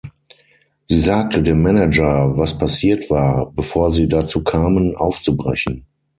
Sie sagte dem Manager, was passiert war, bevor sie dazu kamen, aufzubrechen.